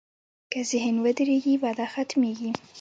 که ذهن ودرېږي، وده ختمېږي.